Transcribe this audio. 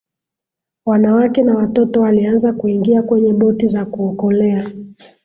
wanawake na watoto walianza kuingia kwenye boti za kuokolea